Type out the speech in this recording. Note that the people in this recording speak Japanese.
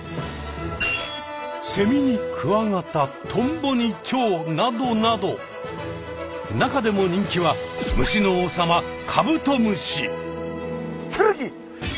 セミにクワガタトンボにチョウなどなど中でも人気は虫の王様つるぎ！